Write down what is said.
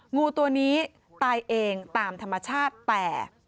งูตัวนี้ตายเองตามธรรมชาติแต่